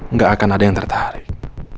nggak akan ada yang tertarik